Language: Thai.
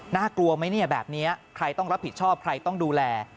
กลัวไหมเนี่ยแบบนี้ใครต้องรับผิดชอบใครต้องดูแล